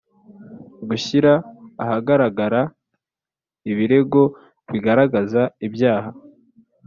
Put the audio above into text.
gushyira ahagaragara ibirego bigaragaza ibyaha